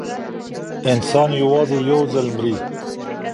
انسان یوازې یو ځل مري.